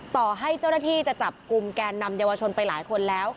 ต่อให้เจ้าหน้าที่จะจับกลุ่มแกนนำเยาวชนไปหลายคนแล้ว